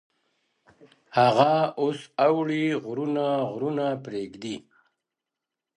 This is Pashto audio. هغه اوس اوړي غرونه غرونه پـــرېږدي ـ